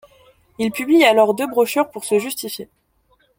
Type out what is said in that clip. Il publie alors deux brochures pour se justifier.